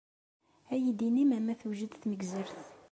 Ad iyi-d-inim ma tewjed tmegzert?